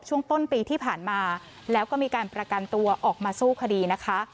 ช่วงต้นปีที่ผ่านมาแล้วก็มีการประกันตัวออกมาสู้คดีนะคะ